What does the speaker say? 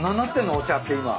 お茶って今。